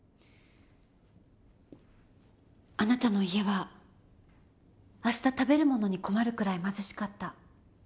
あなたの家は明日食べる物に困るくらい貧しかった。